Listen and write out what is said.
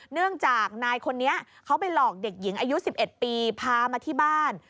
เนื่องจากนายคนนี้เขาไปหลอกเด็กหญิงอายุ๑๑ปีพามาที่บ้าน